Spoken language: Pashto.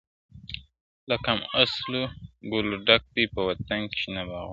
له کم اصلو ګلو ډک دي په وطن کي شنه باغونه!!